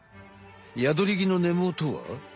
ヤドリギの根もとは。